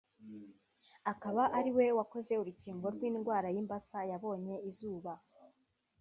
akaba ariwe wakoze urukingo rw’indwara y’imbasa yabonye izuba